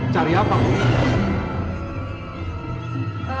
cari apa bu